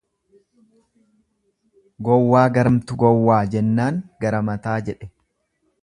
Gowwaa garamtu gowwaa jennaan gara mataa jedhe.